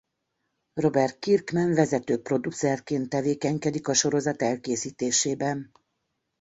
Robert Kirkman vezető producerként tevékenykedik a sorozat elkészítésében.